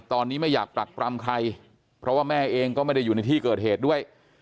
ตอนนี้ไม่อยากปรักปรำใครเพราะว่าแม่เองก็ไม่ได้อยู่ในที่เกิดเหตุด้วย